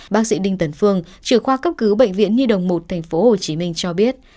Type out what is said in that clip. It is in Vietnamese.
bác sĩ đinh tấn phương trưởng khoa cấp cứu bệnh viện nhi đồng một tp hcm cho biết